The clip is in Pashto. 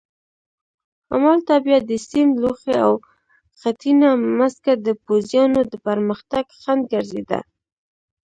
همالته بیا د سیند لوخې او خټینه مځکه د پوځیانو د پرمختګ خنډ ګرځېده.